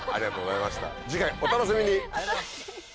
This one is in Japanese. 次回お楽しみに。